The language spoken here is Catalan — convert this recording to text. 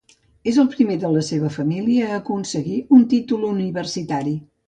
És el primer de la seva família a aconseguir un títol universitari.